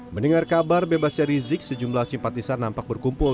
mendengar kabar bebasnya rizik sejumlah simpatisan nampak berkumpul